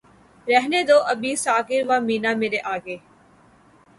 رہنے دو ابھی ساغر و مینا مرے آگے